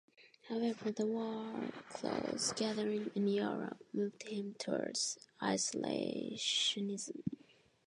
However, the war clouds gathering in Europe moved him towards isolationism.